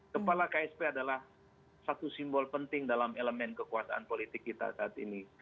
kepala ksp adalah satu simbol penting dalam elemen kekuasaan politik kita saat ini